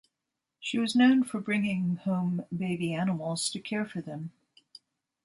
She was known for bringing home baby animals to care for them.